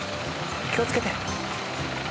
気をつけて。